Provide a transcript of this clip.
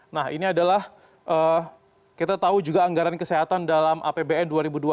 nah ini adalah kita tahu juga anggaran kesehatan dalam apbn dua ribu dua puluh